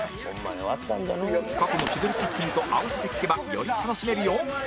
過去の千鳥作品と併せて聴けばより楽しめるよ